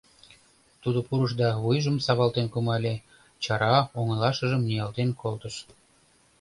Тудо пурыш да вуйжым савалтен кумале, чара оҥылашыжым ниялтен колтыш.